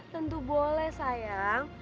tentu boleh sayang